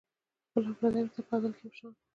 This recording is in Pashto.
خپل او پردي ورته په عدل کې یو شان وو.